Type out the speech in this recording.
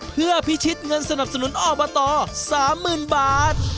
เพื่อพิชิตเงินสนับสนุนออเบอร์ตอร์๓๐๐๐๐บาท